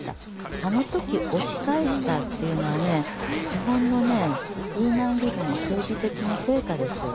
あの時押し返したというのはね日本のねウーマンリブの政治的な成果ですよ。